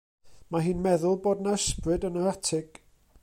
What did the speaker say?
Mae hi'n meddwl bod 'na ysbryd yn yr atig.